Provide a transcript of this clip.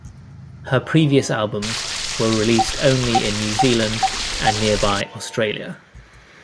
Her previous albums were released only in New Zealand and nearby Australia.